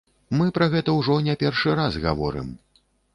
Мы пра гэта ўжо не першы раз гаворым.